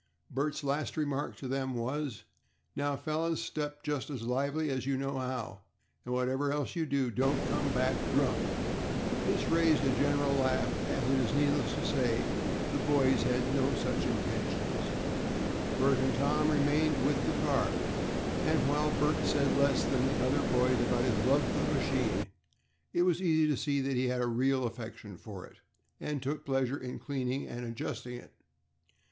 Bert's last remark to them was, "Now, fellows, step just as lively as you know how, and whatever else you do, don't come back drunk." This raised a general laugh, as, it is needless to say, the boys had had no such intentions. Bert and Tom remained with the car, and while Bert said less than the other boys about his love for the machine, it was easy to see that he had a real affection for it, and took pleasure in cleaning and adjusting it.